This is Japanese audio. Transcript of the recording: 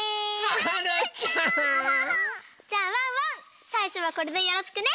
はるちゃん！じゃあワンワンさいしょはこれでよろしくね！